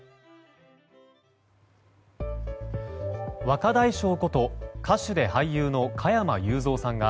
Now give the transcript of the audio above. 若大将こと歌手で俳優の加山雄三さん